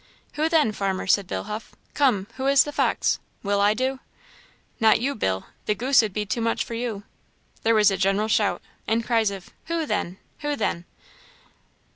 "Who then, farmer?" said Bill Huff; "come! who is the fox? Will I do?" "Not you, Bill; the goose 'ud be too much for you." There was a general shout, and cries of "Who then? who then?"